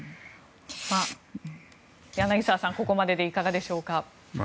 柳澤さん、ここまででいかがでしょうか。